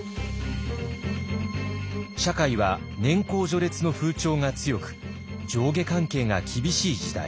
社会は年功序列の風潮が強く上下関係が厳しい時代。